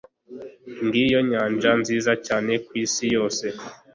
ngiyo nyanja nziza cyane kwisi yose